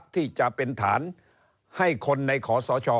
ที่จะเป็นฐานให้คนในขอสช